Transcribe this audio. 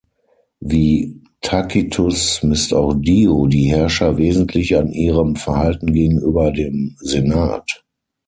Wie Tacitus misst auch Dio die Herrscher wesentlich an ihrem Verhalten gegenüber dem Senat.